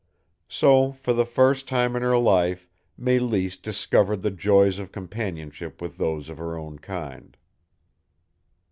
So, for the first time in her life, Mélisse discovered the joys of companionship with those of her own kind.